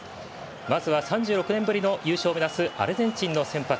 まずは３６年ぶりの優勝を目指すアルゼンチンの先発。